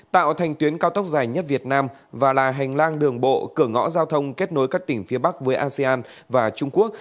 tạo thành tuyến cao tốc dài nhất việt nam và là hành lang đường bộ cửa ngõ giao thông kết nối các tỉnh phía bắc với asean và trung quốc